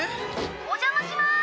「お邪魔します」